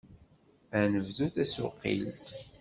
Ad nebdu tasuqilt!